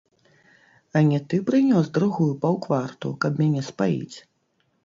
А не ты прынёс другую паўкварту, каб мяне спаіць?